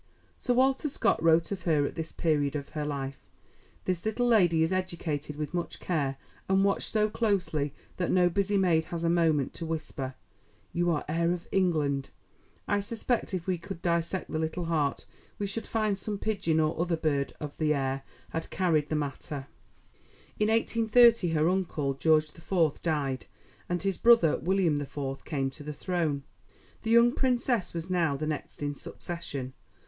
Sir Walter Scott wrote of her at this period of her life: "This little lady is educated with much care, and watched so closely that no busy maid has a moment to whisper, 'You are heir of England.' I suspect if we could dissect the little heart, we should find some pigeon or other bird of the air had carried the matter." In 1830 her uncle, George the Fourth, died, and his brother, William the Fourth, came to the throne. The young Princess was now the next in succession.